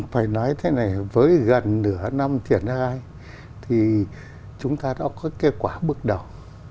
phải nói thế này với gần nửa năm thiền hai thì chúng ta đã có kết quả bước đầu